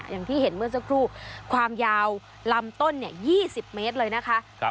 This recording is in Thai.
อย่างที่เห็นเมื่อสักครู่ความยาวลำต้น๒๐เมตรเลยนะคะ